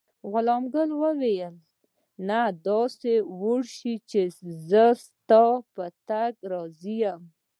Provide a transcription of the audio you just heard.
غلام ګل وویل: نه، تاسې ولاړ شئ، زه ستاسي په تګ راضي یم.